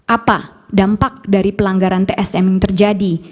apa dampak dari pelanggaran tsm yang terjadi